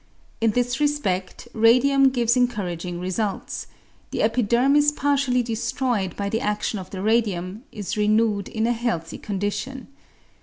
In this resped radium gives encouraging results ; the epidermis partially destroyed by the adion of the radium is renewed in a healthy condition.